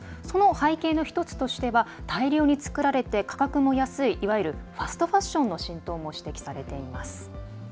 その背景の１つとしては大量に作られて価格も安いいわゆるファストファッションの浸透も指摘されています。